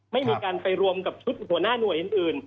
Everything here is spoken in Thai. ไม่มีการไปรวมกับชุดหัวหน้าหน่วยอื่น